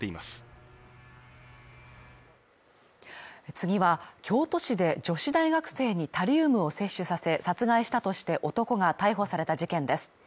次は、京都市で女子大学生にタリウムを摂取させ殺害したとして男が逮捕された事件です。